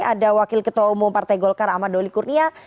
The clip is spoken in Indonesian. ada wakil ketua umum partai golkar ahmad doli kurnia